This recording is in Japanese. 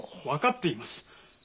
分かっています。